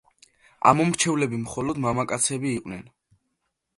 ამომრჩევლები მხოლოდ მამაკაცები იყვნენ.